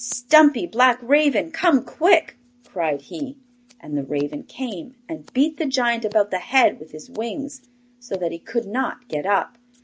'Stumpy black raven, come quick!' cried he; and the raven came, and beat the giant about the head with his wings, so that he could not get up.